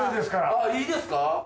あぁいいですか？